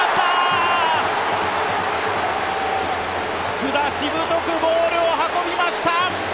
福田、しぶとくボールを運びました。